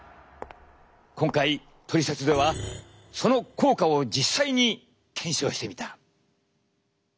今回「トリセツ」ではその効果を実際に検証してみた。